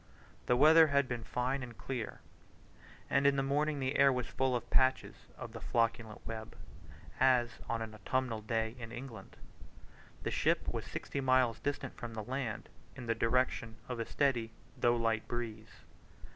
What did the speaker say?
The weather had been fine and clear, and in the morning the air was full of patches of the flocculent web, as on an autumnal day in England. The ship was sixty miles distant from the land, in the direction of a steady though light breeze.